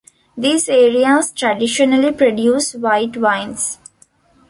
These areas traditionally produce white wines.